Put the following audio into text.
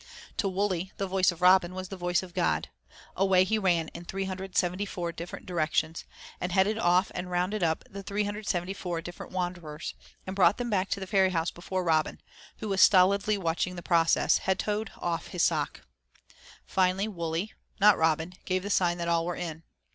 To Wully the voice of Robin was the voice of God. Away he ran in 374 different directions, and headed off and rounded up the 374 different wanderers, and brought them back to the ferry house before Robin, who was stolidly watching the process, had toed off his sock. Finally Wully not Robin gave the sign that all were in.